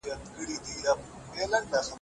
قاضي په کومو حالتونو کي د طلاق حق لري؟